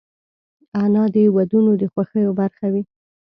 انا د ودونو د خوښیو برخه وي